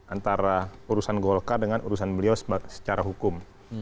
antara urusan golkar dengan urusan beliau secara hukum